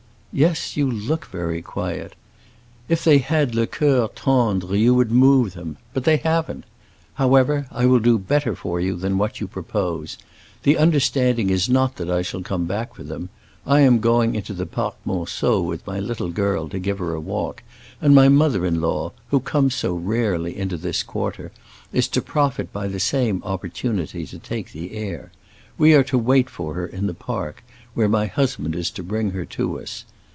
"Yes, you look very quiet! If they had le cœur tendre you would move them. But they haven't! However, I will do better for you than what you propose. The understanding is not that I shall come back for them. I am going into the Parc Monceau with my little girl to give her a walk, and my mother in law, who comes so rarely into this quarter, is to profit by the same opportunity to take the air. We are to wait for her in the park, where my husband is to bring her to us.